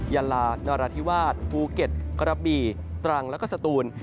ยาลานราธิวาสภูเก็ตกระบี่ตรังแล้วก็สตูน